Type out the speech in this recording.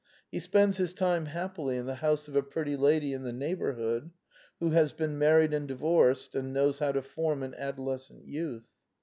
He spends his time happily in the house of a pretty lady in the neighborhood, who has been married and divorced, and knows how to form an adolescent youth.